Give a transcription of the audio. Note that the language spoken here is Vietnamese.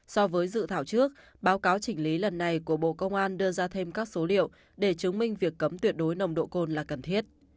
so với dự thảo trước báo cáo chỉnh lý lần này của bộ công an đưa ra thêm các số liệu để chứng minh việc cấm tuyệt đối nồng độ cồn là cần thiết